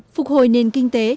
phục hồi nền kinh tế